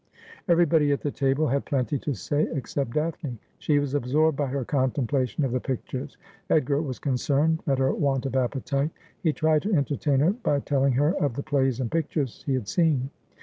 Everybody at the table had plenty to say, except Daphne. She was absorbed by her contemplation of the pictures. Edgar was concerned at her want of appetite. He tried to entertain her by telling her of the plays and pictures he had seen.